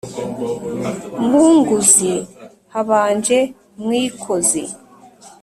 mwunguzi, habanje mwikozi